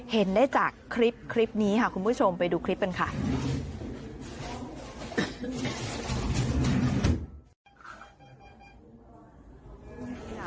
เห็นได้จากคลิปนี้ค่ะคุณผู้ชมไปดูคลิปกันค่ะ